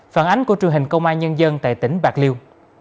phản ánh của truyền hình công an nhân dân tại tỉnh bạc liêu